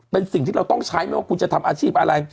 เป็นสิ่งที่เราต้องใช้ไม่ว่าคุณจะทำอาชีพอะไร